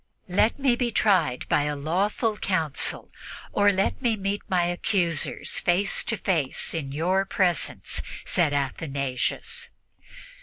"Let me be tried by a lawful council, or let me meet my accusers face to face in your presence," said Athanasius.